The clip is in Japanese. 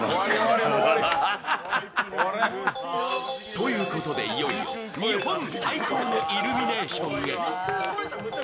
ということでいよいよ、日本最高のイルミネーションへ。